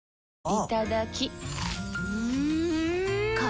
いただきっ！